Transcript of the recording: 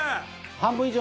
半分以上！